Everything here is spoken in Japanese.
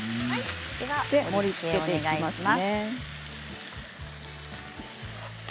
盛りつけていきますね。